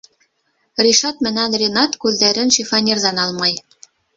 Ришат менән Ринат күҙҙәрен шифоньерҙан алмай.